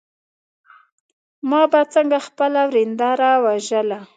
ما به څنګه خپله ورېنداره وژله.